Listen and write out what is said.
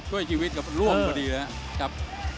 ช่วยชีวิตกับร่วมพอดีนะครับ